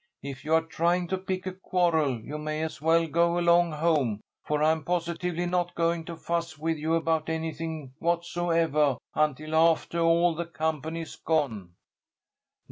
If you are trying to pick a quarrel you may as well go along home, for I'm positively not going to fuss with you about anything whatsoevah until aftah all the company is gone."